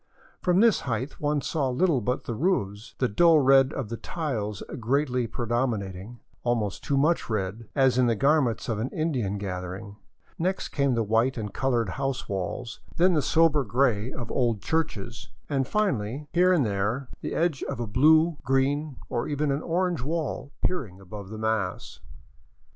From this height one saw little but the roofs, the dull red of the tiles greatly predominating — almost too much red, as in the garments of an Indian gathering; next came the white and colored house walls, then the sober gray of old churches, and finally here and I VAGABONDING DOWN THE ANDES there the edge of a blue, green, or even an orange wall peering above the mass.